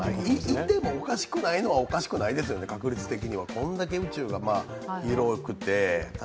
いてもおかしくないのは、おかしくないですよね、確率的には。こんだけ宇宙が広くて。